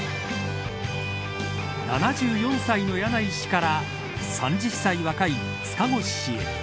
７４歳の柳井氏から３０歳若い塚越氏へ。